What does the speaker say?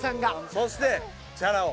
そしてチャラ男。